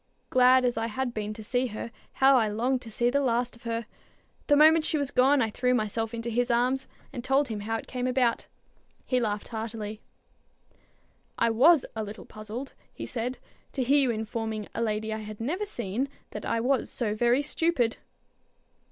Glad as I had been to see her, how I longed to see the last of her! The moment she was gone, I threw myself into his arms, and told him how it came about. He laughed heartily. "I was a little puzzled," he said, "to hear you informing a lady I had never seen that I was so very stupid."